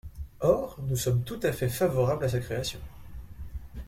Or nous sommes tout à fait favorables à sa création.